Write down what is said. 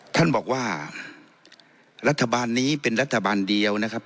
ท่านบอกว่ารัฐบาลนี้เป็นรัฐบาลเดียวนะครับ